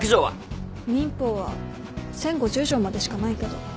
民法は１０５０条までしかないけど。